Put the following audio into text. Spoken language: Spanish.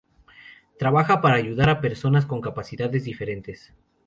Trabaja para ayudar a personas con capacidades diferentes.